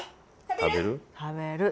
食べる？